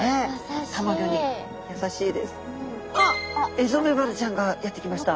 エゾメバルちゃんがやって来ました。